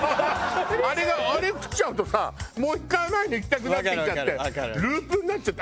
あれがあれ食っちゃうとさもう１回甘いのいきたくなってきちゃってループになっちゃって。